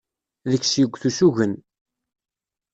Deg-s yuget usugen.